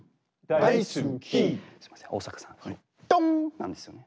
なんですよね。